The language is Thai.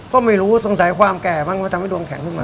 ก็ไม่รู้สงสัยความแก่บ้างว่าทำให้ดวงแข็งขึ้นมา